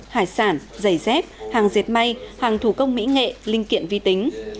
hải sản giày dép hàng diệt may hàng thủ công mỹ nghệ linh kiện vi tính